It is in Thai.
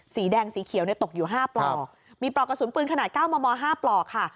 สีแดงสีเขียวเนี่ยตกอยู่๕ปลอกมีปลอกกระสุนปืนขนาด๙มม๕ปลอกค่ะ